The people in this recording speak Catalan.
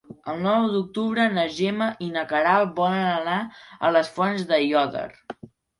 El nou d'octubre na Gemma i na Queralt volen anar a les Fonts d'Aiòder.